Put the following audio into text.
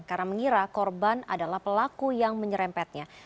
karena mengira korban adalah pelaku yang menyerempetnya